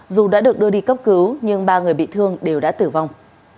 được đưa đi cấp cứu nhưng ba người bị thương đều đã tử vong